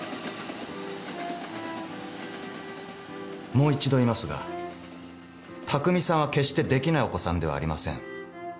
もう一度言いますが匠さんは決してできないお子さんではありません。